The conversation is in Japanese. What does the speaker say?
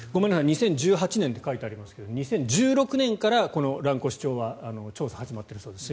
２０１８年と書いてありますが２０１６年からこの蘭越町は調査が始まっているそうです。